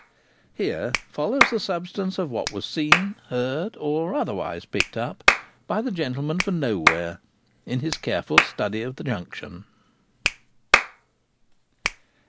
HERE FOLLOWS THE SUBSTANCE OF WHAT WAS SEEN, HEARD, OR OTHERWISE PICKED UP, BY THE GENTLEMAN FOR NOWHERE, IN HIS CAREFUL STUDY OF THE JUNCTION.